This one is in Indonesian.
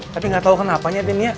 tapi gak tau kenapanya